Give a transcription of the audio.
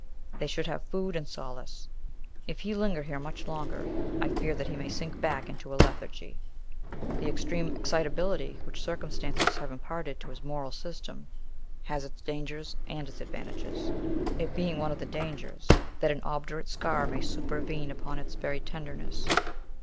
They should have food and solace. If he linger here much longer, I fear that he may sink back into a lethargy. The extreme excitability, which circumstances have imparted to his moral system, has its dangers and its advantages; it being one of the dangers, that an obdurate scar may supervene upon its very tenderness.